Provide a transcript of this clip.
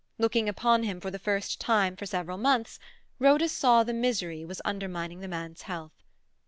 Looking upon him for the first time for several months, Rhoda saw that misery was undermining the man's health.